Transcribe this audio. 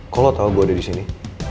kok lo tau gue ada di sini